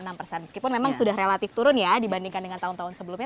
meskipun memang sudah relatif turun ya dibandingkan dengan tahun tahun sebelumnya